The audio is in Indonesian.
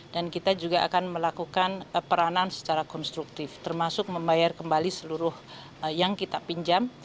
dan kita juga akan melakukan peranan secara konstruktif termasuk membayar kembali seluruh yang kita pinjam